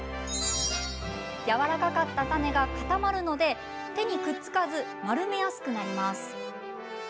やわらかかったタネが固まるので手にくっつかず丸めやすくなります。